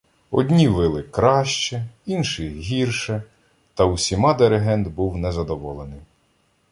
Одні вили краще, інші гірше, та усіма "диригент" був незадоволений.